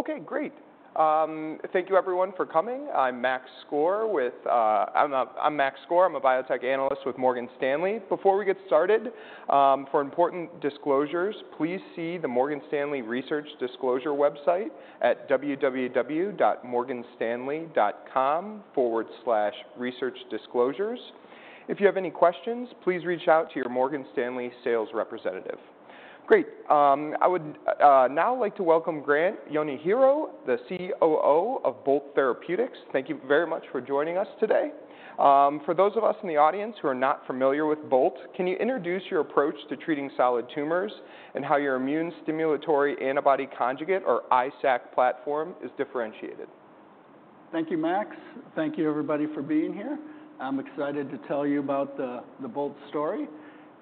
Okay, great. Thank you everyone for coming. I'm Max Skor, I'm a Biotech Analyst with Morgan Stanley. Before we get started, for important disclosures, please see the Morgan Stanley Research Disclosure website at www.morganstanley.com/researchdisclosures. If you have any questions, please reach out to your Morgan Stanley sales representative. Great, I would now like to welcome Grant Yonehiro, the COO of Bolt Biotherapeutics. Thank you very much for joining us today. For those of us in the audience who are not familiar with Bolt, can you introduce your approach to treating solid tumors and how your immune stimulatory antibody conjugate, or ISAC platform, is differentiated? Thank you, Max. Thank you everybody for being here. I'm excited to tell you about the Bolt story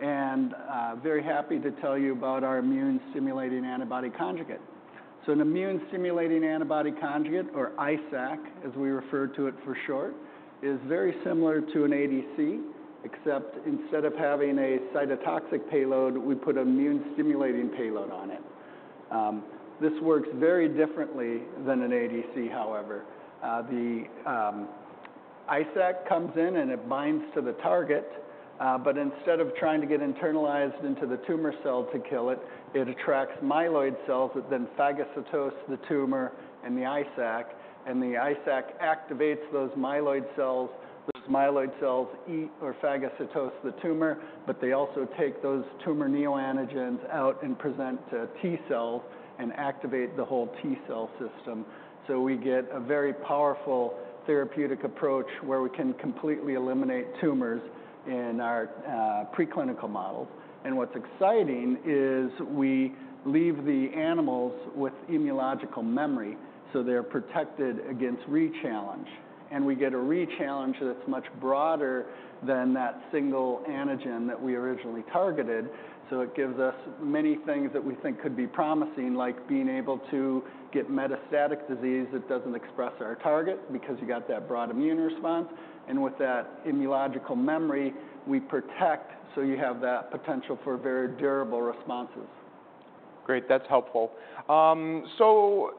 and very happy to tell you about our immune-stimulating antibody conjugate. An immune-stimulating antibody conjugate, or ISAC, as we refer to it for short, is very similar to an ADC, except instead of having a cytotoxic payload, we put an immune-stimulating payload on it. This works very differently than an ADC, however. The ISAC comes in and it binds to the target, but instead of trying to get internalized into the tumor cell to kill it, it attracts myeloid cells that then phagocytose the tumor and the ISAC, and the ISAC activates those myeloid cells. Those myeloid cells eat or phagocytose the tumor, but they also take those tumor neoantigens out and present to T cells and activate the whole T cell system. So we get a very powerful therapeutic approach, where we can completely eliminate tumors in our preclinical models. And what's exciting is we leave the animals with immunological memory, so they're protected against re-challenge, and we get a re-challenge that's much broader than that single antigen that we originally targeted. So it gives us many things that we think could be promising, like being able to get metastatic disease that doesn't express our target, because you got that broad immune response. And with that immunological memory, we protect, so you have that potential for very durable responses. Great, that's helpful. So,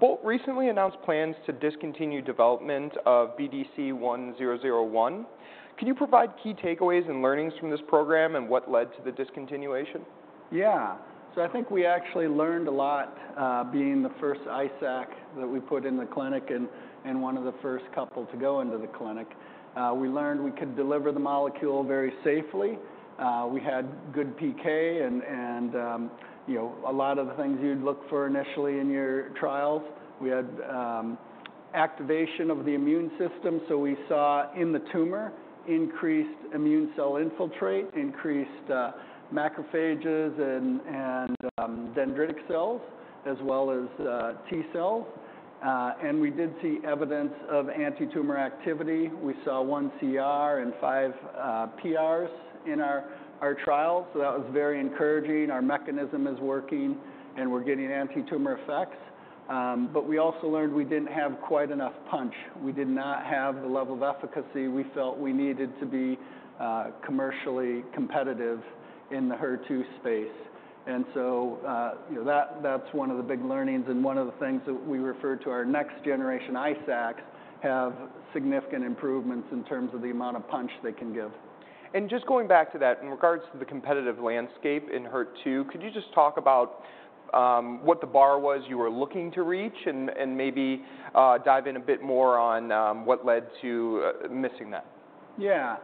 Bolt recently announced plans to discontinue development of BDC-1001. Can you provide key takeaways and learnings from this program, and what led to the discontinuation? Yeah. So I think we actually learned a lot, being the first ISAC that we put in the clinic and one of the first couple to go into the clinic. We learned we could deliver the molecule very safely. We had good PK and, you know, a lot of the things you'd look for initially in your trials. We had activation of the immune system, so we saw in the tumor increased immune cell infiltrate, increased macrophages and dendritic cells, as well as T cells. We did see evidence of anti-tumor activity. We saw one CR and five PRs in our trial, so that was very encouraging. Our mechanism is working, and we're getting anti-tumor effects, but we also learned we didn't have quite enough punch. We did not have the level of efficacy we felt we needed to be commercially competitive in the HER2 space, and so you know, that, that's one of the big learnings and one of the things that we refer to our next generation ISACs have significant improvements in terms of the amount of punch they can give. And just going back to that, in regards to the competitive landscape in HER2, could you just talk about what the bar was you were looking to reach? And maybe dive in a bit more on what led to missing that. Yeah,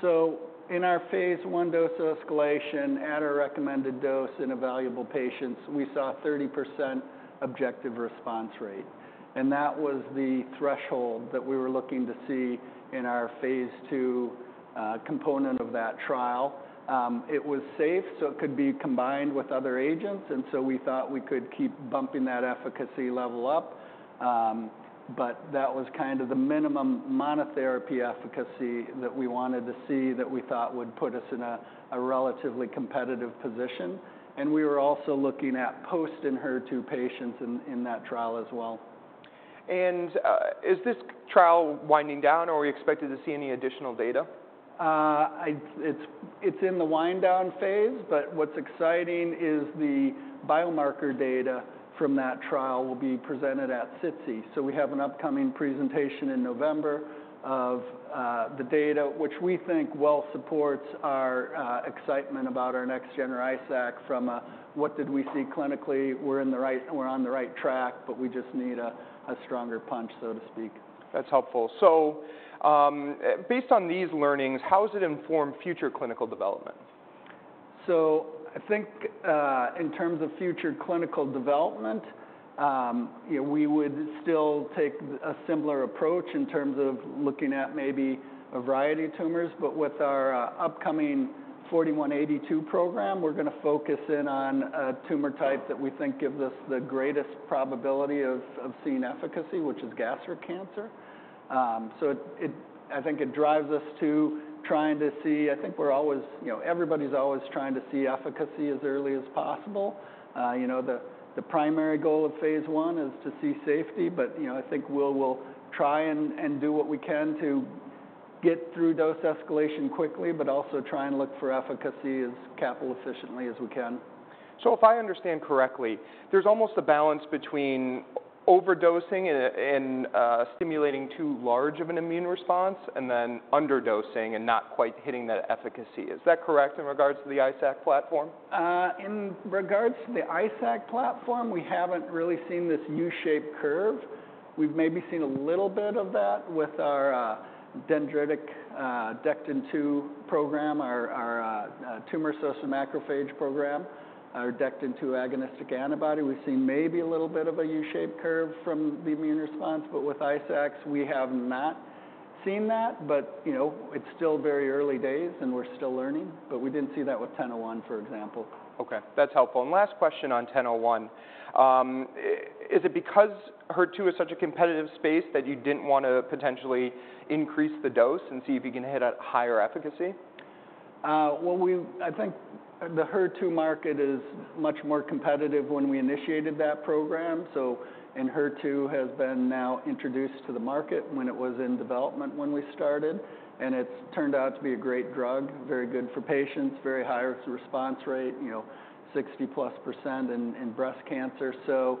so in our phase I dose escalation, at our recommended dose in evaluable patients, we saw 30% objective response rate, and that was the threshold that we were looking to see in our phase II component of that trial. It was safe, so it could be combined with other agents, and so we thought we could keep bumping that efficacy level up, but that was kind of the minimum monotherapy efficacy that we wanted to see, that we thought would put us in a relatively competitive position, and we were also looking at post-HER2 patients in that trial as well. Is this trial winding down, or are we expected to see any additional data? It's in the wind down phase, but what's exciting is the biomarker data from that trial will be presented at SITC. So we have an upcoming presentation in November of the data, which we think well supports our excitement about our next gen ISAC from a "What did we see clinically? We're on the right track, but we just need a stronger punch," so to speak. That's helpful. So, based on these learnings, how has it informed future clinical development? I think, in terms of future clinical development, you know, we would still take a similar approach in terms of looking at maybe a variety of tumors. But with our upcoming 4182 program, we're gonna focus in on tumor types that we think give us the greatest probability of seeing efficacy, which is gastric cancer. I think it drives us to trying to see. I think we're always, you know, everybody's always trying to see efficacy as early as possible. You know, the primary goal of phase I is to see safety. But, you know, I think we'll try and do what we can to get through dose escalation quickly, but also try and look for efficacy as capital efficiently as we can. So if I understand correctly, there's almost a balance between overdosing and stimulating too large of an immune response, and then underdosing and not quite hitting that efficacy. Is that correct in regards to the ISAC platform? In regards to the ISAC platform, we haven't really seen this U-shaped curve. We've maybe seen a little bit of that with our dendritic Dectin-2 program, our tumor cell macrophage program, our Dectin-2 agonistic antibody. We've seen maybe a little bit of a U-shaped curve from the immune response, but with ISACs, we have not seen that, but you know, it's still very early days, and we're still learning, but we didn't see that with 1001, for example. Okay, that's helpful. And last question on 1001. Is it because HER2 is such a competitive space, that you didn't want to potentially increase the dose and see if you can hit a higher efficacy? Well, I think the HER2 market is much more competitive when we initiated that program, so... and HER2 has been now introduced to the market when it was in development when we started, and it's turned out to be a great drug, very good for patients, very high response rate, you know, 60-plus% in breast cancer. So,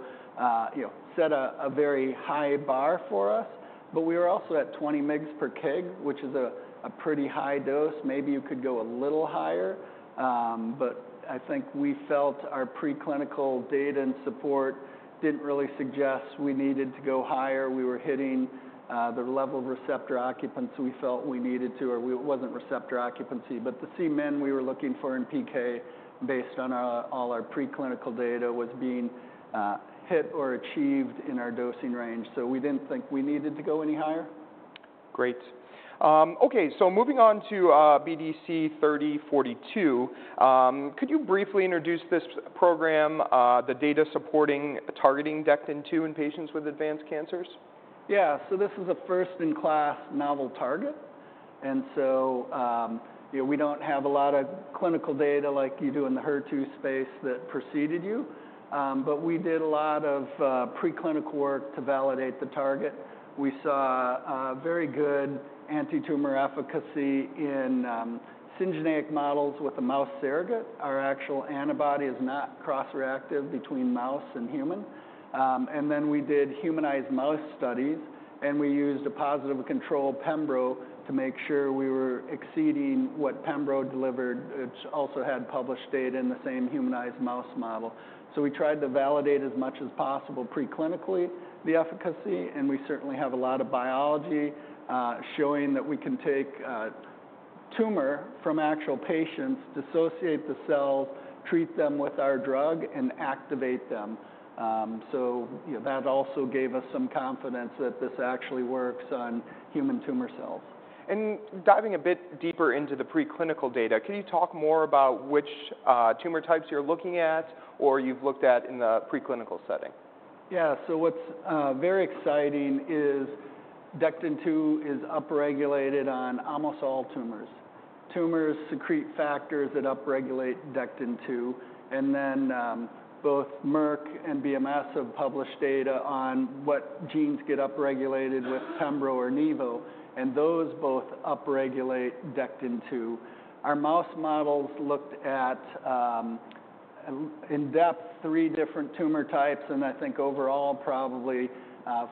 you know, set a very high bar for us. But we were also at 20 mg/kg, which is a pretty high dose. Maybe you could go a little higher. But I think we felt our preclinical data and support didn't really suggest we needed to go higher. We were hitting the level of receptor occupancy we felt we needed to, or we... It wasn't receptor occupancy, but the Cmin we were looking for in PK, based on all our preclinical data, was being hit or achieved in our dosing range, so we didn't think we needed to go any higher. Great. Okay, so moving on to BDC-3042. Could you briefly introduce this program, the data supporting targeting Dectin-2 in patients with advanced cancers? Yeah. So this is a first-in-class novel target, and so, you know, we don't have a lot of clinical data like you do in the HER2 space that preceded you. But we did a lot of preclinical work to validate the target. We saw very good antitumor efficacy in syngeneic models with a mouse surrogate. Our actual antibody is not cross-reactive between mouse and human. And then we did humanized mouse studies, and we used a positive control Pembro to make sure we were exceeding what Pembro delivered, which also had published data in the same humanized mouse model. So we tried to validate as much as possible preclinically, the efficacy, and we certainly have a lot of biology showing that we can take tumor from actual patients, dissociate the cells, treat them with our drug, and activate them. So, you know, that also gave us some confidence that this actually works on human tumor cells. Diving a bit deeper into the preclinical data, can you talk more about which tumor types you're looking at or you've looked at in the preclinical setting? Yeah. So what's very exciting is Dectin-2 is upregulated on almost all tumors. Tumors secrete factors that upregulate Dectin-2, and then both Merck and BMS have published data on what genes get upregulated with Pembro or Nivo, and those both upregulate Dectin-2. Our mouse models looked at in-depth three different tumor types and I think overall probably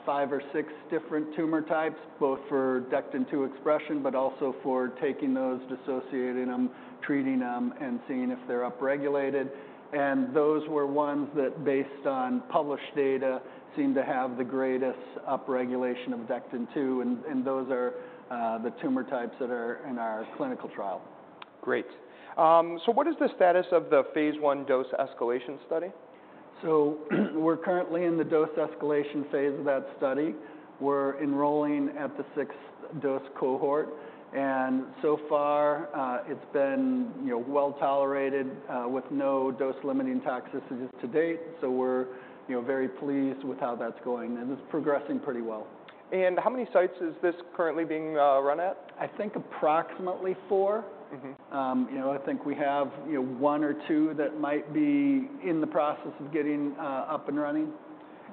five or six different tumor types, both for Dectin-2 expression, but also for taking those, dissociating them, treating them, and seeing if they're upregulated. And those were ones that, based on published data, seemed to have the greatest upregulation of Dectin-2, and those are the tumor types that are in our clinical trial. Great. So what is the status of the phase I dose-escalation study? So we're currently in the dose-escalation phase of that study. We're enrolling at the sixth dose cohort, and so far, it's been, you know, well-tolerated, with no dose-limiting toxicities to date. So we're, you know, very pleased with how that's going, and it's progressing pretty well. How many sites is this currently being run at? I think approximately four. You know, I think we have, you know, one or two that might be in the process of getting up and running.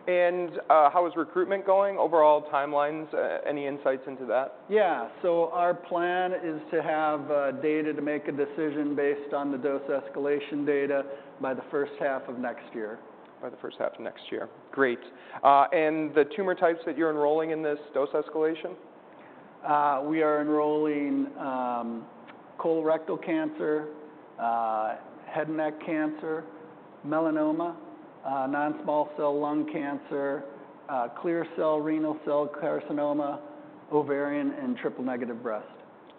How is recruitment going, overall timelines, any insights into that? Yeah. Our plan is to have data to make a decision based on the dose-escalation data by the first half of next year. By the first half of next year. Great. And the tumor types that you're enrolling in this dose escalation? We are enrolling colorectal cancer, head and neck cancer, melanoma, non-small cell lung cancer, clear cell renal cell carcinoma, ovarian, and triple-negative breast.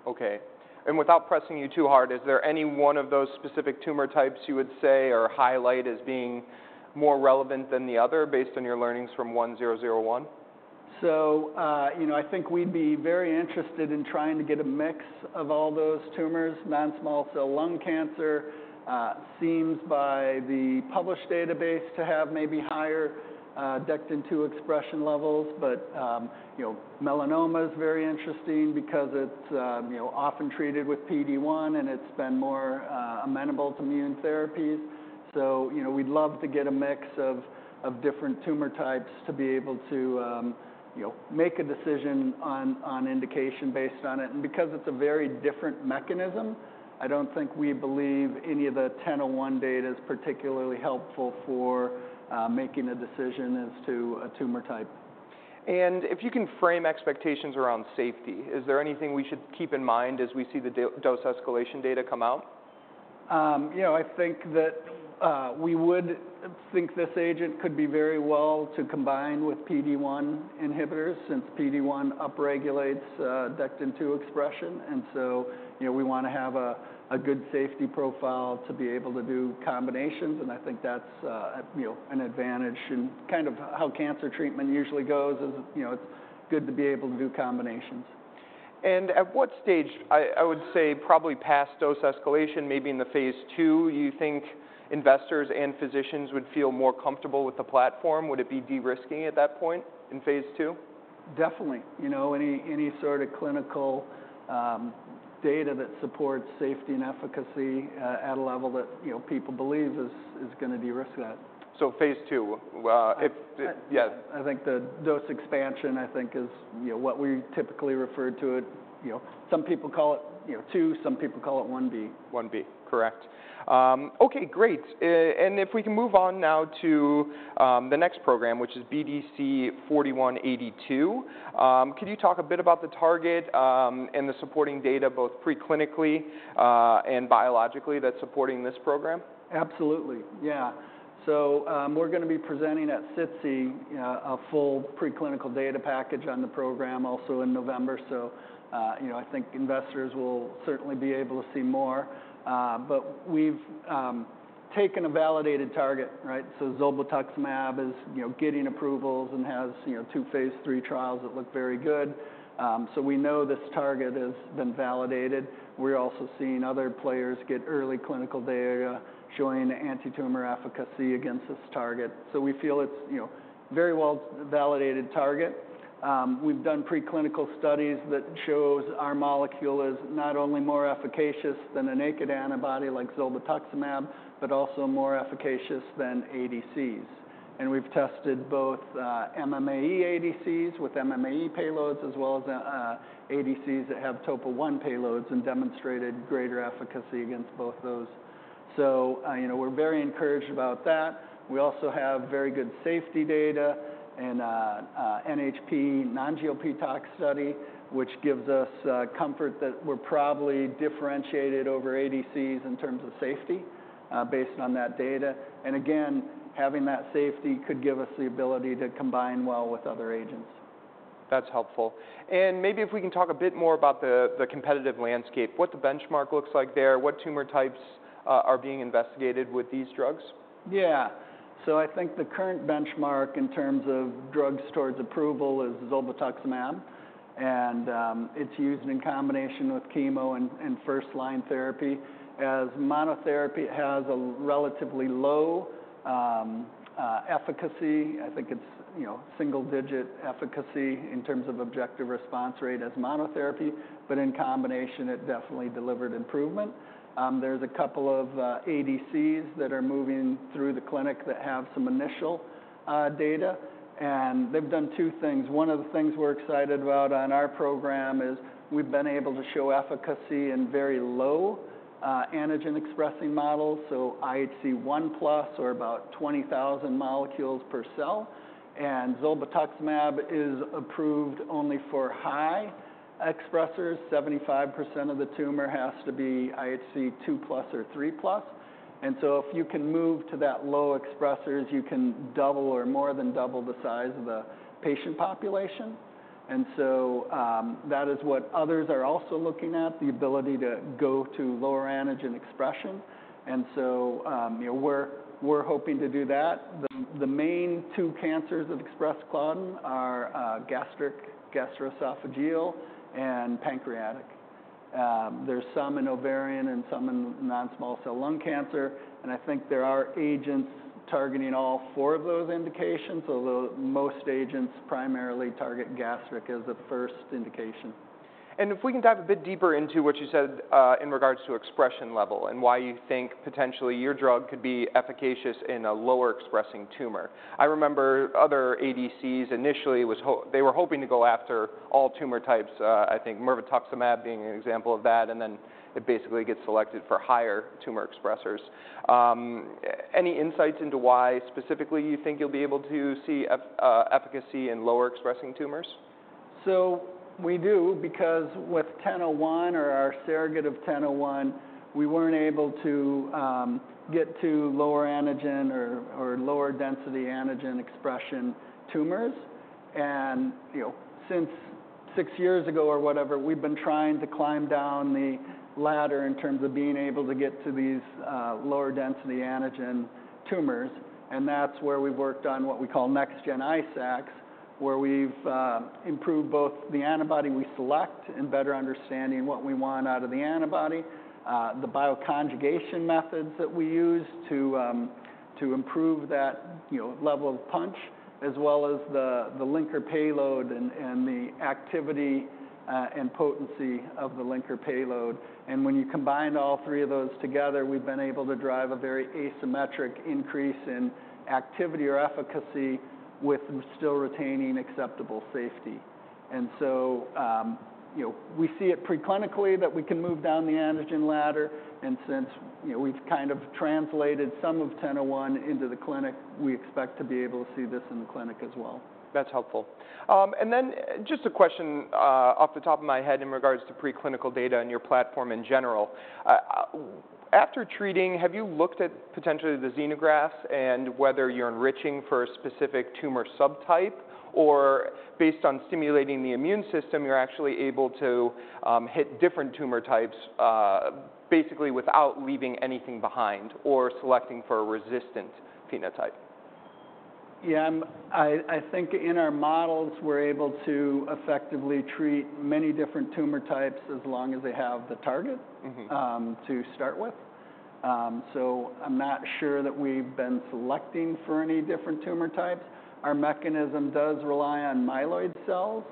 Okay, and without pressing you too hard, is there any one of those specific tumor types you would say or highlight as being more relevant than the other, based on your learnings from 1001? So, you know, I think we'd be very interested in trying to get a mix of all those tumors. Non-small cell lung cancer seems, by published database, to have maybe higher Dectin-2 expression levels. But, you know, melanoma is very interesting because it's, you know, often treated with PD-1, and it's been more amenable to immune therapies. So, you know, we'd love to get a mix of different tumor types to be able to, you know, make a decision on indication based on it. And because it's a very different mechanism, I don't think we believe any of the 1001 data is particularly helpful for making a decision as to a tumor type. If you can frame expectations around safety, is there anything we should keep in mind as we see the dose escalation data come out? You know, I think that we would think this agent could be very well to combine with PD-1 inhibitors, since PD-1 upregulates Dectin-2 expression. And so, you know, we wanna have a good safety profile to be able to do combinations, and I think that's you know, an advantage in kind of how cancer treatment usually goes. You know, it's good to be able to do combinations. At what stage... I would say probably past dose escalation, maybe in the phase II, you think investors and physicians would feel more comfortable with the platform? Would it be de-risking at that point, in phase II? Definitely. You know, any sort of clinical data that supports safety and efficacy at a level that, you know, people believe is gonna de-risk that. So phase II. I think the dose expansion, I think, is, you know, what we typically refer to it. You know, some people call it, you know, two. Some people call it 1b. 1b, correct. Okay, great. And if we can move on now to the next program, which is BDC-4182. Could you talk a bit about the target and the supporting data, both preclinically and biologically, that's supporting this program? Absolutely. Yeah. So, we're gonna be presenting at SITC a full preclinical data package on the program, also in November. So, you know, I think investors will certainly be able to see more. But we've taken a validated target, right? So zolbetuximab is, you know, getting approvals and has, you know, two phase III trials that look very good. So we know this target has been validated. We're also seeing other players get early clinical data showing anti-tumor efficacy against this target. So we feel it's, you know, very well validated target. We've done preclinical studies that shows our molecule is not only more efficacious than a naked antibody like zolbetuximab, but also more efficacious than ADCs. And we've tested both, MMAE ADCs with MMAE payloads, as well as, ADCs that have TOP1 payloads, and demonstrated greater efficacy against both those. You know, we're very encouraged about that. We also have very good safety data and NHP, non-GLP tox study, which gives us comfort that we're probably differentiated over ADCs in terms of safety, based on that data. Again, having that safety could give us the ability to combine well with other agents. That's helpful, and maybe if we can talk a bit more about the competitive landscape, what the benchmark looks like there, what tumor types are being investigated with these drugs? Yeah. So I think the current benchmark in terms of drugs towards approval is zolbetuximab, and it's used in combination with chemo and first-line therapy. As monotherapy, it has a relatively low efficacy. I think it's, you know, single-digit efficacy in terms of objective response rate as monotherapy, but in combination, it definitely delivered improvement. There's a couple of ADCs that are moving through the clinic that have some initial data, and they've done two things. One of the things we're excited about on our program is we've been able to show efficacy in very low antigen-expressing models, so IHC 1+ or about 20,000 molecules per cell. And zolbetuximab is approved only for high expressers. 75% of the tumor has to be IHC 2+ or 3+. And so if you can move to that low expressers, you can double or more than double the size of the patient population. And so, that is what others are also looking at, the ability to go to lower antigen expression. And so, you know, we're, we're hoping to do that. The main two cancers of expressed claudin are, gastric, gastroesophageal, and pancreatic. There's some in ovarian and some in non-small cell lung cancer, and I think there are agents targeting all four of those indications, although most agents primarily target gastric as the first indication. And if we can dive a bit deeper into what you said, in regards to expression level and why you think potentially your drug could be efficacious in a lower-expressing tumor. I remember other ADCs, initially, they were hoping to go after all tumor types, I think mirvetuximab being an example of that, and then it basically gets selected for higher tumor expressers. Any insights into why specifically you think you'll be able to see efficacy in lower-expressing tumors? So we do, because with 1001, or our surrogate of 1001, we weren't able to get to lower antigen or lower density antigen expression tumors. And, you know, since six years ago or whatever, we've been trying to climb down the ladder in terms of being able to get to these lower density antigen tumors, and that's where we've worked on what we call next gen ISACs, where we've improved both the antibody we select and better understanding what we want out of the antibody, the bioconjugation methods that we use to to improve that, you know, level of punch, as well as the linker payload and the activity and potency of the linker payload. And when you combine all three of those together, we've been able to drive a very asymmetric increase in activity or efficacy, with still retaining acceptable safety. And so, you know, we see it preclinically that we can move down the antigen ladder, and since, you know, we've kind of translated some of 1001 into the clinic, we expect to be able to see this in the clinic as well. That's helpful. And then just a question, off the top of my head in regards to preclinical data and your platform in general. After treating, have you looked at potentially the xenografts and whether you're enriching for a specific tumor subtype? Or based on stimulating the immune system, you're actually able to hit different tumor types, basically without leaving anything behind or selecting for a resistant phenotype? Yeah, I think in our models, we're able to effectively treat many different tumor types as long as they have the target to start with, so I'm not sure that we've been selecting for any different tumor types. Our mechanism does rely on myeloid cells,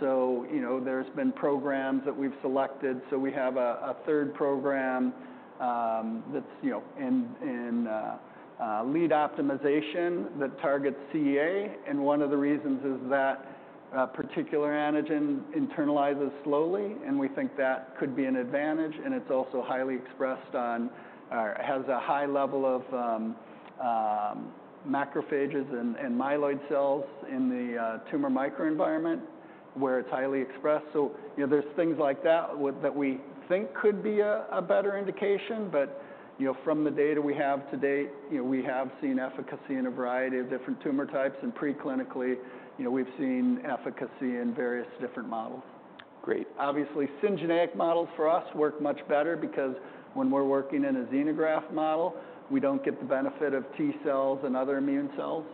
so you know, there's been programs that we've selected, so we have a third program that's you know in lead optimization that targets CEA, and one of the reasons is that particular antigen internalizes slowly, and we think that could be an advantage, and it's also highly expressed on... or has a high level of macrophages and myeloid cells in the tumor microenvironment, where it's highly expressed, so you know, there's things like that that we think could be a better indication. But, you know, from the data we have to date, you know, we have seen efficacy in a variety of different tumor types, and pre-clinically, you know, we've seen efficacy in various different models. Great. Obviously, syngeneic models for us work much better because when we're working in a xenograft model, we don't get the benefit of T cells and other immune cells.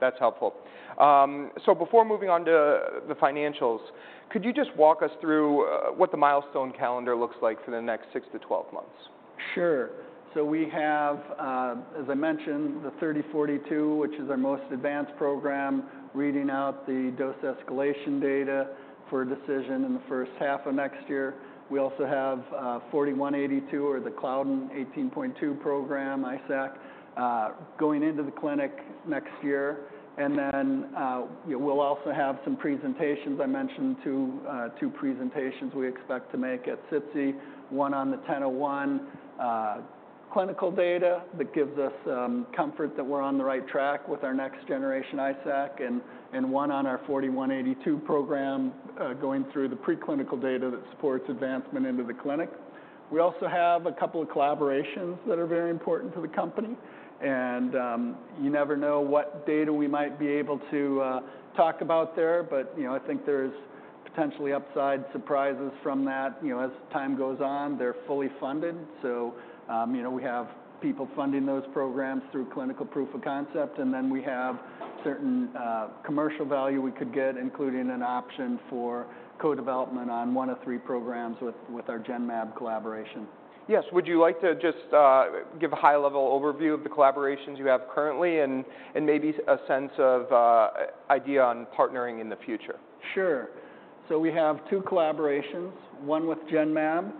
That's helpful. So before moving on to the financials, could you just walk us through what the milestone calendar looks like for the next six to twelve months? Sure. So we have, as I mentioned, the 3042, which is our most advanced program, reading out the dose escalation data for a decision in the first half of next year. We also have, 4182, or the Claudin 18.2 program, ISAC, going into the clinic next year. And then, we'll also have some presentations. I mentioned two presentations we expect to make at SITC, one on the 1001, clinical data that gives us, comfort that we're on the right track with our next generation ISAC, and one on our 4182 program, going through the preclinical data that supports advancement into the clinic. We also have a couple of collaborations that are very important to the company, and, you never know what data we might be able to, talk about there. But you know, I think there's potentially upside surprises from that. You know, as time goes on, they're fully funded, so you know, we have people funding those programs through clinical proof of concept, and then we have certain commercial value we could get, including an option for co-development on one of three programs with our Genmab collaboration. Yes. Would you like to just give a high-level overview of the collaborations you have currently and maybe a sense of idea on partnering in the future? Sure. So we have two collaborations, one with Genmab.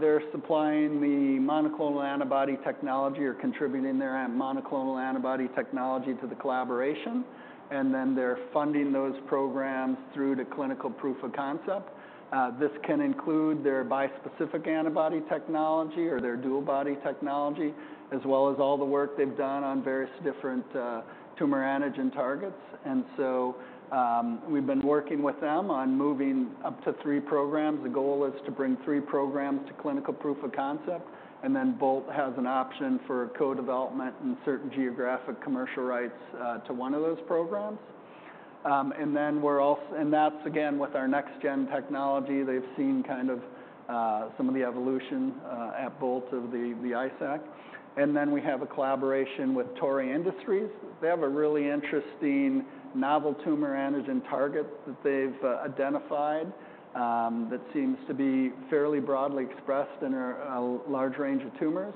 They're supplying the monoclonal antibody technology or contributing their monoclonal antibody technology to the collaboration, and then they're funding those programs through to clinical proof of concept. This can include their bispecific antibody technology or their DuoBody technology, as well as all the work they've done on various different tumor antigen targets. And so, we've been working with them on moving up to three programs. The goal is to bring three programs to clinical proof of concept, and then Bolt has an option for co-development and certain geographic commercial rights to one of those programs. And that's again, with our next gen technology. They've seen kind of some of the evolution at Bolt of the ISAC. And then we have a collaboration with Toray Industries. They have a really interesting novel tumor antigen target that they've identified that seems to be fairly broadly expressed in a large range of tumors,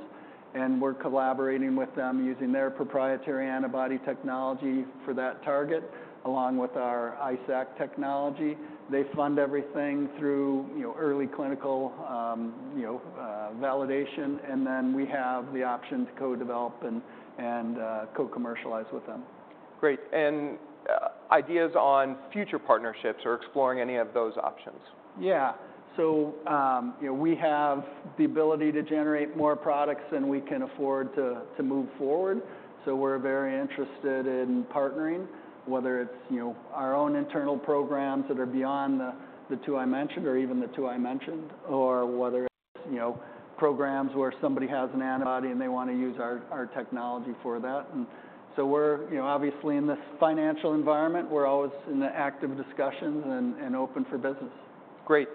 and we're collaborating with them, using their proprietary antibody technology for that target, along with our ISAC technology. They fund everything through, you know, early clinical, you know, validation, and then we have the option to co-develop and co-commercialize with them. Great. And ideas on future partnerships or exploring any of those options? Yeah. So, you know, we have the ability to generate more products than we can afford to move forward, so we're very interested in partnering, whether it's, you know, our own internal programs that are beyond the two I mentioned, or even the two I mentioned, or whether it's, you know, programs where somebody has an antibody and they want to use our technology for that. And so we're, you know, obviously, in this financial environment, we're always in active discussions and open for business. Great.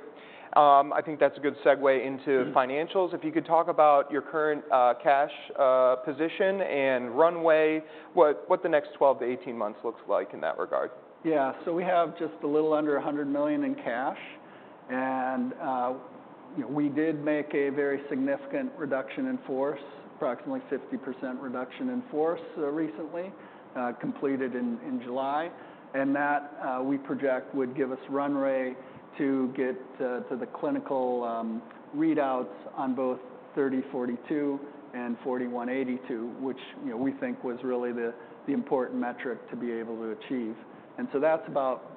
I think that's a good segue into financials. If you could talk about your current cash position and runway, what the next twelve to eighteen months looks like in that regard? Yeah. So we have just under $100 million in cash, and, you know, we did make a very significant reduction in force, approximately 50% reduction in force, recently, completed in July. And that, we project would give us runway to get, to the clinical, readouts on both 3042 and 4182, which, you know, we think was really the important metric to be able to achieve. And so that's about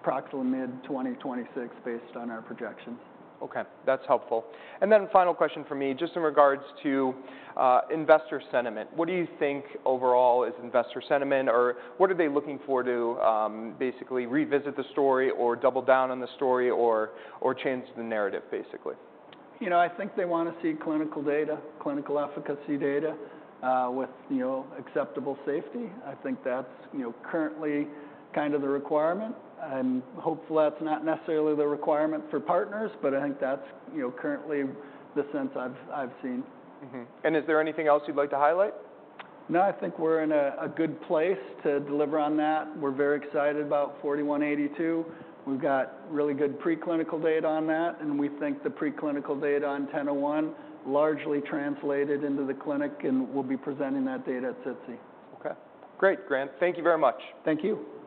approximately mid-2026, based on our projections. Okay, that's helpful. And then final question from me, just in regards to investor sentiment. What do you think overall is investor sentiment, or what are they looking for to basically revisit the story or double down on the story or change the narrative, basically? You know, I think they want to see clinical data, clinical efficacy data, with, you know, acceptable safety. I think that's, you know, currently kind of the requirement. And hopefully, that's not necessarily the requirement for partners, but I think that's, you know, currently the sense I've seen. And is there anything else you'd like to highlight? No, I think we're in a good place to deliver on that. We're very excited about 4182. We've got really good preclinical data on that, and we think the preclinical data on 1001 largely translated into the clinic, and we'll be presenting that data at SITC. Okay. Great, Grant. Thank you very much. Thank you. Thanks.